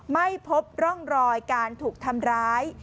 ไม่พบร่องรอยการถูกทำร้าย